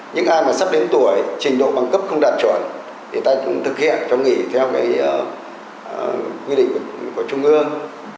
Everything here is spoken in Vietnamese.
những ai mà sắp đến tuổi trình độ bằng cấp không đạt chuẩn thì ta cũng thực hiện cho nghỉ theo quy định của trung ương